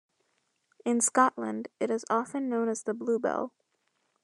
In Scotland, it is often known as the bluebell.